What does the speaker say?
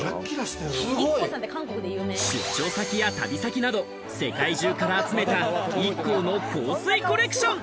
出張先や旅先など、世界中から集めたＩＫＫＯの香水コレクション。